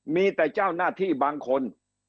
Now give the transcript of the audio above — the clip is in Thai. มีแต่เจ้าหน้าที่บางคน